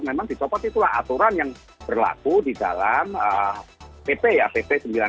memang dicopot itulah aturan yang berlaku di dalam pp ya